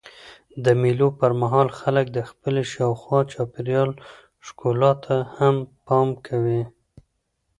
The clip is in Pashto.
د مېلو پر مهال خلک د خپلي شاوخوا چاپېریال ښکلا ته هم پام کوي.